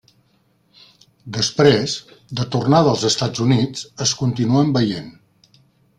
Després, de tornada als Estats Units, es continuen veient.